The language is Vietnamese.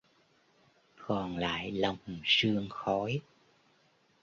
Còn lại lòng sương khói